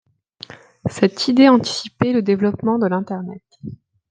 Cette idée anticipait le développement de l'Internet.